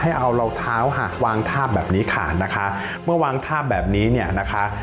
ให้เอารองเท้าค่ะวางทาบแบบนี้ขาดนะคะเมื่อวางทาบแบบนี้เนี่ยนะคะ